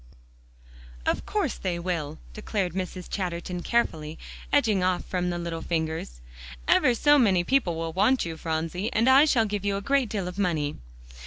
"Of course they will," declared Mrs. Chatterton carefully, edging off from the little fingers; "ever so many people will want you, Phronsie. And I shall give you a great deal of money."